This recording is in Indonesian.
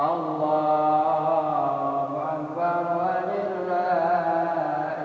allah is allah allah is allah